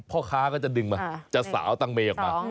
พ่อค้าก็จะดึงมาจะสาวตังเมย์ออกมา